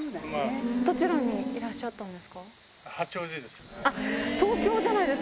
どちらにいらっしゃったんで八王子です。